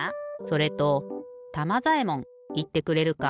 それとたまざえもんいってくれるか？